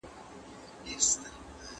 د ښې ورځي ارمان به ګور ته یوسي پسي ګورئ